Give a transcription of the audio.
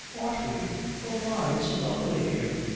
"Ought we? Oh, why? It's lovely here.